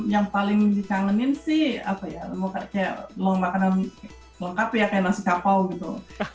yang paling dikangeni sih apa ya kayak makanan lengkap ya kayak nasi kapau gitu